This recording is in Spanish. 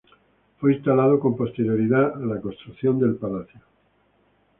Fue instalado con posterioridad a la construcción del palacio.